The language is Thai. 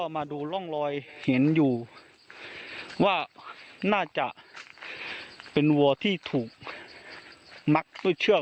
มาดูร่องรอยเห็นอยู่ว่าน่าจะเป็นวัวที่ถูกมัดด้วยเชือก